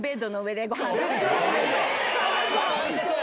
かわいそう！